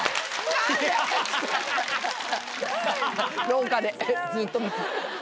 廊下でずっと見て。